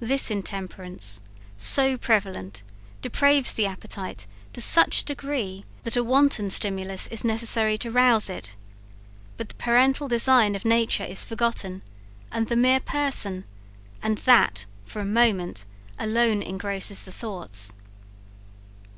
This intemperance, so prevalent, depraves the appetite to such a degree, that a wanton stimulus is necessary to rouse it; but the parental design of nature is forgotten, and the mere person, and that, for a moment, alone engrosses the thoughts.